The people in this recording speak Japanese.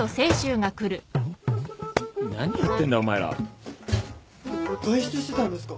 何やってんだお前ら。外出してたんですか！？